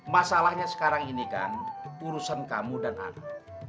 masalahnya sekarang ini kan urusan kamu dan anak